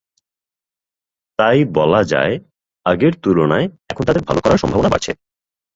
তাই বলা যায়, আগের তুলনায় এখন তাঁদের ভালো করার সম্ভাবনা বাড়ছে।